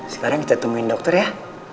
sekarang kita tungguin dokter ya